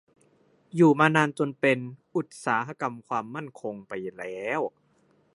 อยู่มานานจนเป็น "อุตสาหกรรมความมั่นคง" ไปแล้ว